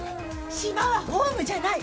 島はホームじゃない。